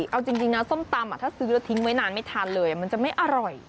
เอาจริงนะส้มตำถ้าซื้อแล้วทิ้งไว้นานไม่ทานเลยมันจะไม่อร่อย